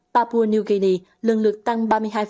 papua new guinea lần lượt tăng ba mươi hai